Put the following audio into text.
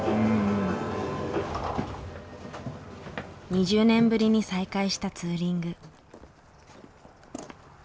２０年ぶりに再開したツーリング。